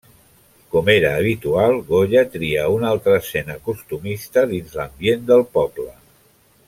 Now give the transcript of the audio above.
Com era habitual, Goya tria una altra escena costumista dins l'ambient del poble.